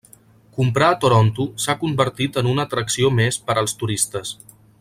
Comprar a Toronto s'ha convertit en una atracció més per als turistes.